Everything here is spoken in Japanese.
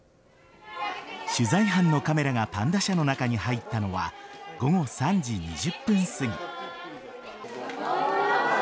取材班のカメラがパンダ舎の中に入ったのは午後３時２０分すぎ。